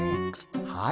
はい。